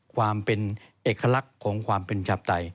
ความเป็นเอกลักษณ์ของความเป็นชาปไตย